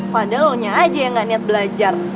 padahal lo nya aja yang gak niat belajar